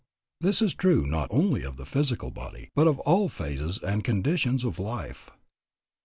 This is true not only of the physical body, but of all phases and conditions of life.